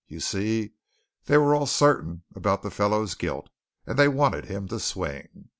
You see, they were all certain about the fellow's guilt, and they wanted him to swing.